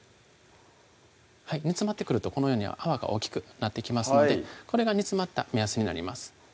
煮詰まってくるとこのように泡が大きくなってきますのでこれが煮詰まった目安になります